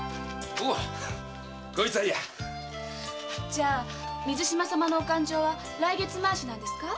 じゃ水嶋様のお勘定は来月回しなんですか？